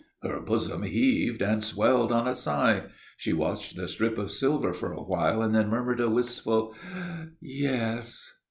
Her bosom heaved and swelled on a sigh. She watched the strip of silver for a while and then murmured a wistful "Yes."